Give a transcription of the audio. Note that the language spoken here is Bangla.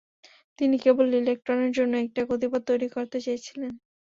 তিনি কেবল ইলেকট্রনের জন্য একটা গতিপথ তৈরি করতে চেয়েছিলেন।